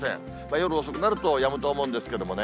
夜遅くなるとやむと思うんですけれどもね。